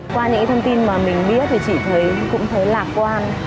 qua những thông tin mà mình biết thì chị thấy cũng thấy lạc quan